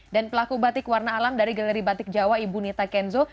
dan pelaku batik warna alam dari galeri batik jawa ibu nita kenzo